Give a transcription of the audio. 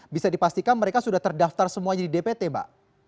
bisa dipastikan mereka sudah terdaftar semuanya di dpt mbak